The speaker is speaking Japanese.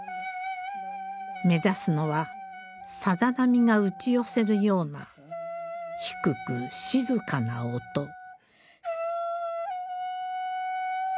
目指すのはさざ波が打ち寄せるような低く静かな音。